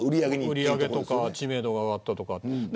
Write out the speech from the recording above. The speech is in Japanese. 売り上げとか知名度が上がったとか。